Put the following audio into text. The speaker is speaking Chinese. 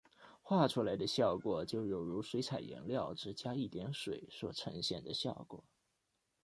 画出来的效果就有如水彩颜料只加一点水所呈现的效果。